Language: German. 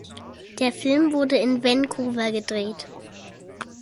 Der Film wurde in Vancouver gedreht.